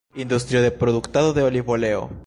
Industrio de produktado de olivoleo.